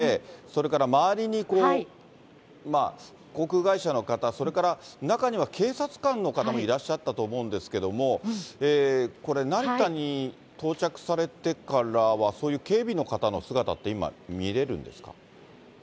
小室さんがニューヨークを旅立つときは、一般の方とは違う所から入られて、それから周りに航空会社の方、それから中には警察官の方もいらっしゃったと思うんですけども、これ、成田に到着されてからは、そういう警備の方の姿って今、見れるんですか？